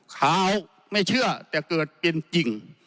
ขาวไม่เชื่อแต่เกิดเป็นจริง